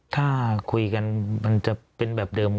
ถ้าคุยกันมันจะเป็นแบบเดิม